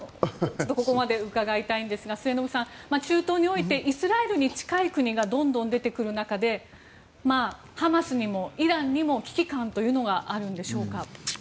ここまで伺いたいんですが末延さん、中東においてイスラエルに近い国がどんどん出てくる中でハマスにもイランにも危機感というのがあるんでしょうか。